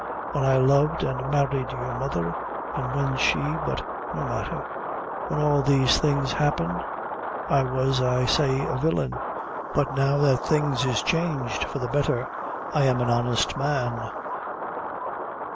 When I loved an' married your mother, an' when she but no matther when all these things happened, I was, I say, a villain; but now that things is changed for the betther, I am an honest man!"